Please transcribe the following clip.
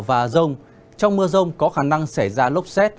và rông trong mưa rông có khả năng xảy ra lốc xét